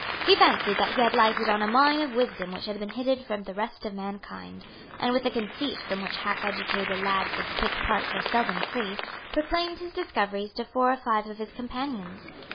He fancied that he had lighted on a mine of wisdom which had been hidden from the rest of mankind, and, with the conceit from which half educated lads of quick parts are seldom free, proclaimed his discoveries to four or five of his companions.